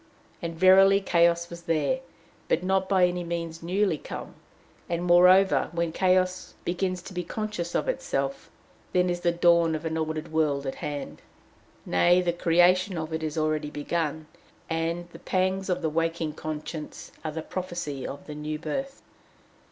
And, verily, chaos was there, but not by any means newly come. And, moreover, when chaos begins to be conscious of itself, then is the dawn of an ordered world at hand. Nay, the creation of it is already begun, and the pangs of the waking conscience are the prophecy of the new birth.